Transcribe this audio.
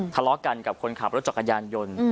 ทะเลาะกันกับคนขับรถจักรยานยนต์